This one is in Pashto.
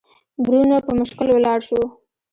برونو په مشکل ولاړ شو.